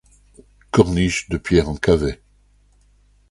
Corniche de pierre en cavet.